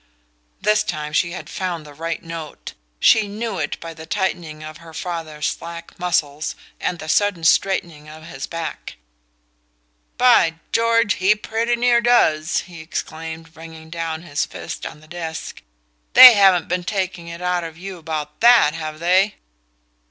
This time she had found the right note: she knew it by the tightening of her father's slack muscles and the sudden straightening of his back. "By George, he pretty near does!" he exclaimed bringing down his fist on the desk. "They haven't been taking it out of you about that, have they?"